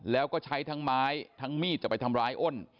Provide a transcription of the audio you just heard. แล้วก็ใช้ทั้งไม้ทั้งมีดจะไปทำร้ายอ้น